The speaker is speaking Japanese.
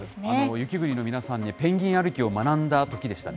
雪国の皆さん、ペンギン歩きを学んだときでしたね。